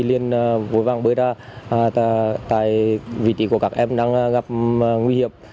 liên vui vang bơi ra tại vị trí của các em đang gặp nguy hiểm